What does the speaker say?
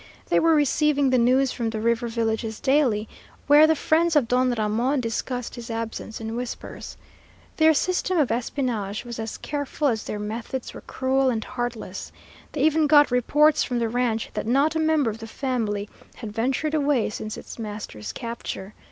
They were receiving the news from the river villages daily, where the friends of Don Ramon discussed his absence in whispers. Their system of espionage was as careful as their methods were cruel and heartless. They even got reports from the ranch that not a member of the family had ventured away since its master's capture.